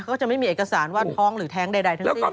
ก็จะไม่มีเอกสารว่าท้องหรือแท้งใดทั้งสิ้น